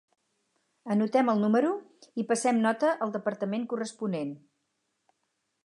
Anotem el número i passem nota al departament corresponent.